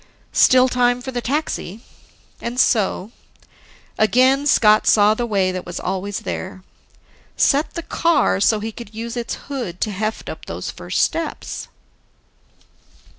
Still time for the taxi. And so, again Scott saw the way that was always there: Set the car so he could use its hood to heft up those first steps.